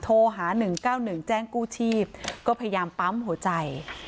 โทรหา๑๙๑แจ้งกู้ชีพก็พยายามปั๊มหัวใจ